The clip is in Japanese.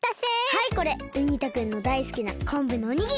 はいこれウニ太くんのだいすきなこんぶのおにぎり。